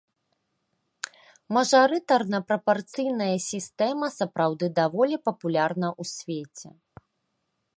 Мажарытарна-прапарцыйная сістэма сапраўды даволі папулярная ў свеце.